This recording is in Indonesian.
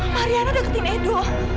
mariana deketin edo